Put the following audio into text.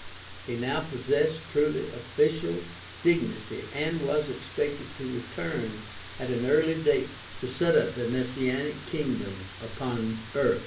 He now pos sessed truly official dignity and was expected to return at an early date to set up the messianic kingdom upon earth.